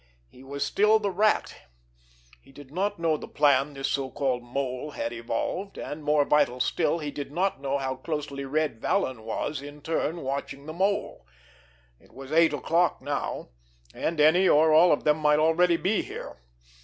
He was still the Rat. He did not know the plan this so called Mole had evolved, and, more vital still, he did not know how closely Red Vallon was, in turn, watching the Mole. It was eight o'clock now, and any or all of them might already be here.